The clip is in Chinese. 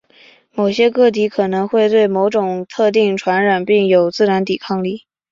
某些个体可能会对某种特定传染病有自然抵抗力。